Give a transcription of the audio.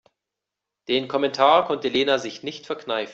Den Kommentar konnte Lena sich nicht verkneifen.